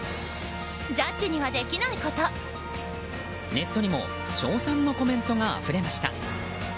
ネットにも称賛のコメントがあふれました。